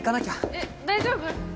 えっ大丈夫？